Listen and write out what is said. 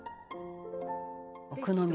「奥宮」